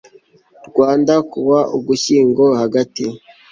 RWANDA KUWA UGUSHYINGO HAGATI